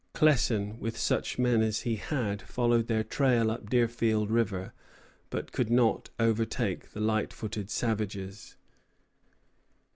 Clesson, with such men as he had, followed their trail up Deerfield River, but could not overtake the light footed savages.